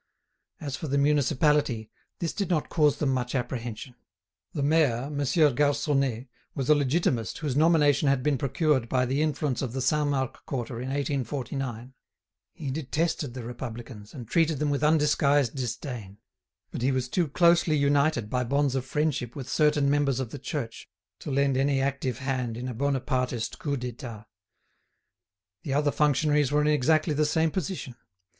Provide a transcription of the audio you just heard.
As for the municipality, this did not cause them much apprehension. The mayor, Monsieur Garconnet, was a Legitimist whose nomination had been procured by the influence of the Saint Marc quarter in 1849. He detested the Republicans and treated them with undisguised disdain; but he was too closely united by bonds of friendship with certain members of the church to lend any active hand in a Bonapartist Coup d'État. The other functionaries were in exactly the same position.